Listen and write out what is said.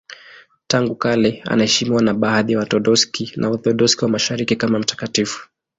Tangu kale anaheshimiwa na baadhi ya Waorthodoksi na Waorthodoksi wa Mashariki kama mtakatifu.